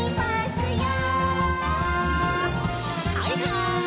はいはい